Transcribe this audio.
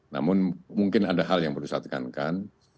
namun mungkin ada hal yang perlu disatukan kan